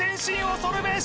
恐るべし！